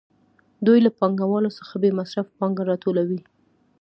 دوی له پانګوالو څخه بې مصرفه پانګه راټولوي